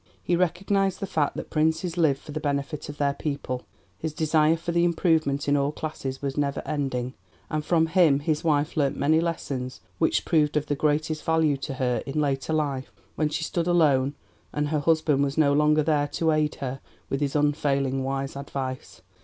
He recognized the fact that princes live for the benefit of their people; his desire for the improvement in all classes was never ending, and from him his wife learnt many lessons which proved of the greatest value to her in later life when she stood alone and her husband was no longer there to aid her with his unfailing wise advice.